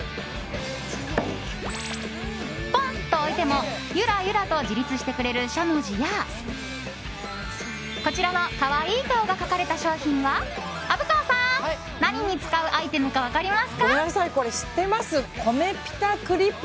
ポンッと置いてもゆらゆらと自立してくれるしゃもじやこちらの可愛い顔が描かれた商品は虻川さん、何に使うアイテムか分かりますか？